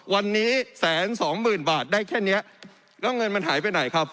วันนี้แสนสองหมื่นบาทได้แค่เนี้ยแล้วเงินมันหายไปไหนครับ